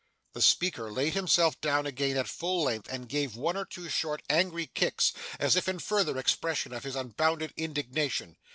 The speaker laid himself down again at full length, and gave one or two short, angry kicks, as if in further expression of his unbounded indignation.